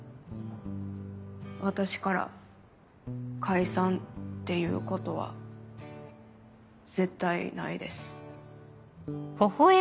私から「解散」って言うことは絶対ないです。